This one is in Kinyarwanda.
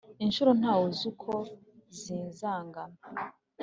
inshuro ntawuzi uko zizangana,